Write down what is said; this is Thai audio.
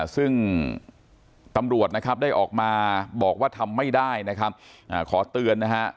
ซึ่งตำรวจนะครับได้ออกมาบอกว่าทำไม่ได้นะครับขอเตือนนะฮะ